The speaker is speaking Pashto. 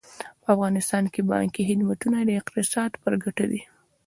په افغانستان کې بانکي خدمتونه د اقتصاد په ګټه دي.